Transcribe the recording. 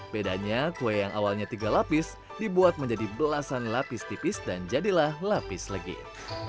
bedanya kue yang awalnya tiga lapis dibuat menjadi belasan lapis tipis dan jadilah lapis legit